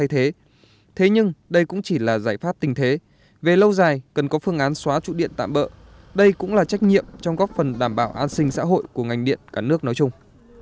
thế nhưng đây cũng chỉ là giải pháp tình thế về lâu dài cần có phương án xóa trụ điện tạm bỡ đây cũng là trách nhiệm trong góp phần đảm bảo an sinh xã hội của ngành điện cả nước nói chung